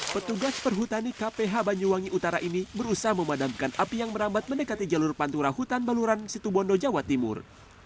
petugas perhutani kph banyuwangi utara ini berusaha memadamkan api yang merambat mendekati jalur pantura hutan baluran situbondo jawa timur